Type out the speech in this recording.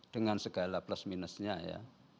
dengan segala plus minusnya ya